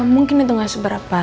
mungkin itu gak seberapa